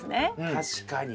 確かに。